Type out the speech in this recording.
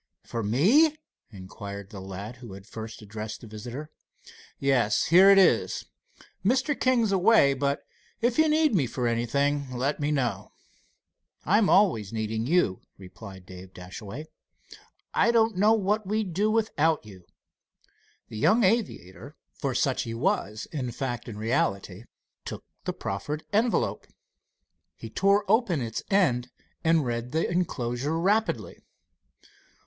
"For me?" inquired the lad who had first addressed the visitor. "Yes. Here it is. Mr. King's away, but if you need me for anything let me know." "I'm always needing you," replied Dave Dashaway. "I don't know what we'd do without you." The young aviator for such he was in fact and reality took the proffered envelope. He tore open its end and read the enclosure rapidly.